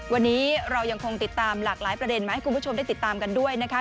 วันนี้เรายังคงติดตามหลากหลายประเด็นมาให้คุณผู้ชมได้ติดตามกันด้วยนะคะ